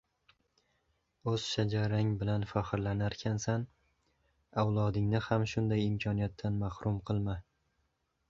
— O‘z shajarang bilan faxrlanarkansan, avlodingni ham shunday imkoniyatdan mahrum qilma.